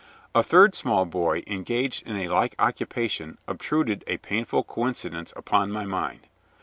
A third small boy engaged in a like occupation obtruded a painful coincidence upon my mind.